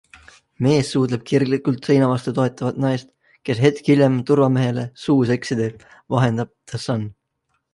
Mees suudleb kirglikult seina vastu toetavat naist, kes hetk hiljem turvamehele suuseksi teeb, vahendab The Sun.